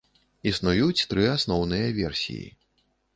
Існуюць тры асноўныя версіі.